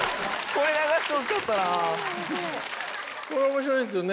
これ面白いですよね。